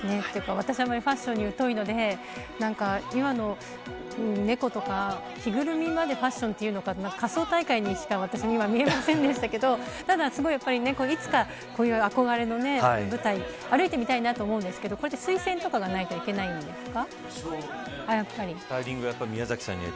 私はあまりファッションには疎いので何か、今の猫とか着ぐるみまでファッションというのか仮装大会にしか私、見えませんでしたけどすごいやっぱりいつかこういう憧れの舞台歩いてみたいなと思うんですけど推薦とかがないとでしょうね。